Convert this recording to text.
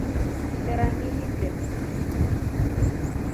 Ngisera ngiitre.